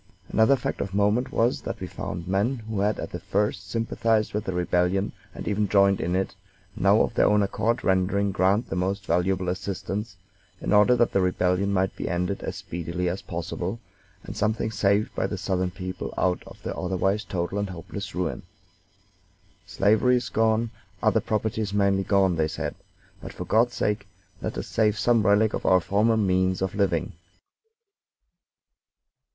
Another fact of moment was that we found men who had at the first sympathized with the rebellion, and even joined in it, now of their own accord rendering Grant the most valuable assistance, in order that the rebellion might be ended as speedily as possible, and something saved by the Southern people out of the otherwise total and hopeless ruin. "Slavery is gone, other property is mainly gone," they said, "but, for God's sake, let us save some relic of our former means of living."